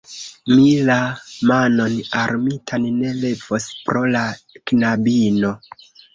Mi la manon armitan ne levos pro la knabino.